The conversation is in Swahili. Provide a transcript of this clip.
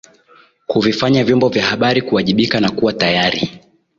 kuvifanya vyombo vya habari kuwajibika na kuwa tayari